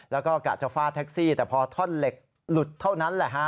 แล้วก็กะเจ้าฟ้าแท็กซี่แต่พอท่อนเหล็กหลุดเท่านั้น